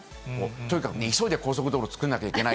とにかくね、急いで高速道路作んなきゃいけない。